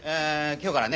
今日からね